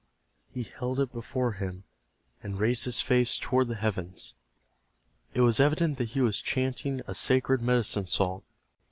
He held it before him, and raised his face toward the heavens. It was evident that he was chanting a sacred medicine song.